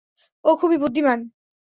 ও খুবই বুদ্ধিমান।